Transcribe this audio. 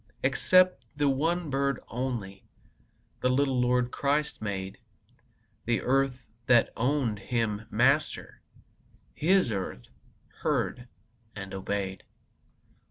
Except the one bird only The little Lord Christ made; The earth that owned Him Master, His earth heard and obeyed.